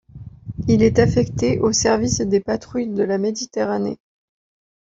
Il est affecté au Service des patrouilles de la Méditerranée.